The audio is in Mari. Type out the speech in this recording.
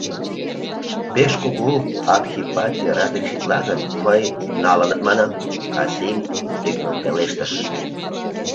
— Пеш кугу Адхипатти разрешитла гын, мый “налыныт” манам, — Касим, тӱкныл пелештыш.